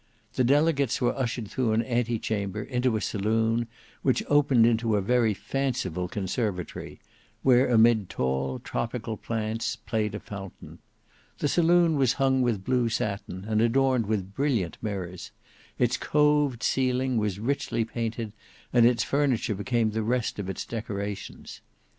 The delegates were ushered through an ante chamber into a saloon which opened into a very fanciful conservatory, where amid tall tropical plants played a fountain. The saloon was hung with blue satin, and adorned with brilliant mirrors: its coved ceiling was richly painted, and its furniture became the rest of its decorations.